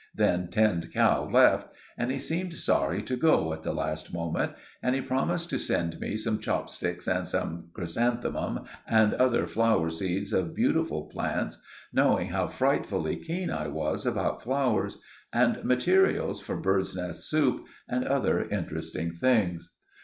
Then Tinned Cow left, and he seemed sorry to go at the last moment; and he promised to send me some chopsticks and some chrysanthemum and other flower seeds of beautiful plants—knowing how frightfully keen I was about flowers—and materials for birds' nest soup and other interesting things.